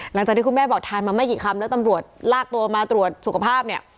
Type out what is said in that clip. หลังจากที่คุณแม่บอกทานมาไม่กี่คำแล้วตำรวจลากตัวมาตรวจสุขภาพเนี่ย